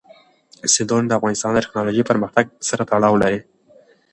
سیندونه د افغانستان د تکنالوژۍ پرمختګ سره تړاو لري.